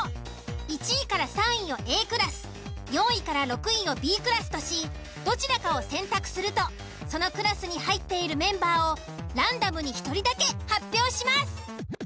１位３位をＡクラス４位６位をＢクラスとしどちらかを選択するとそのクラスに入っているメンバーをランダムに１人だけ発表します。